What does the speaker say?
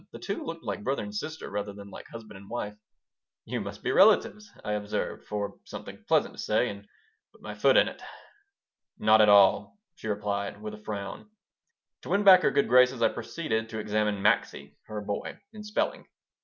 The two looked like brother and sister rather than like husband and wife "You must be relatives," I observed, for something pleasant to say, and put my foot in it "Not at all," she replied, with a frown To win back her good graces I proceeded to examine Maxie, her boy, in spelling.